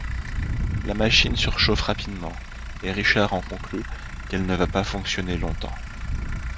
La machine surchauffe rapidement et Richard en conclut qu'elle ne va pas fonctionner longtemps.